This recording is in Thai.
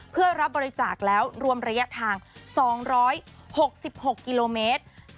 เพื่อรับบริจาคแล้วรวมระยะทาง๒๖๖กิโลเมตร